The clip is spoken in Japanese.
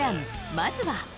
まずは。